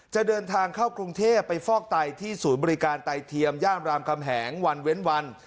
จะเดินทางเข้ากรุงเทพไปฟอกไตที่ศูนย์บริการไตเทียมย่านรามคำแหงวันเว้นวัน